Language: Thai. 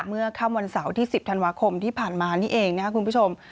เมื่อค่ำวันเสาร์ที่๑๐ธันวาคมที่ผ่านมานี่เองนะครับคุณผู้ชม